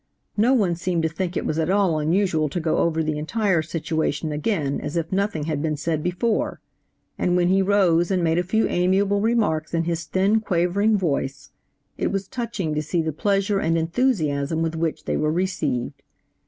No one seemed to think it was at all unusual to go over the entire situation again as if nothing had been said before; and when he rose and made a few amiable remarks in his thin, quavering voice, it was touching to see the pleasure and enthusiasm with which they were received.